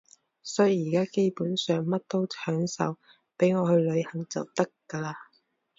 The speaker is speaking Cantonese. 所以而家基本上乜都享受，畀我去旅行就得㗎喇